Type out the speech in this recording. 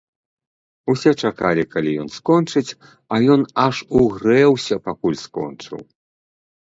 Усе чакалі, калі ён скончыць, а ён аж угрэўся, пакуль скончыў.